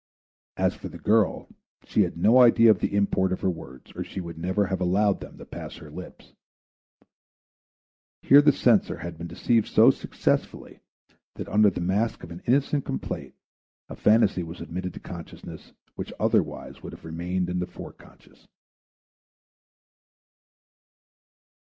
As for the girl, she had no idea of the import of her words or she would never have allowed them to pass her lips. Here the censor had been deceived so successfully that under the mask of an innocent complaint a phantasy was admitted to consciousness which otherwise would have remained in the foreconscious.